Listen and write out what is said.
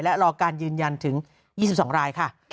และรอการยืนยันถึง๒๒รายค่ะ